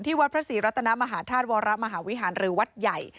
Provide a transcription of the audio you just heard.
วัดพระศรีรัตนมหาธาตุวรมหาวิหารหรือวัดใหญ่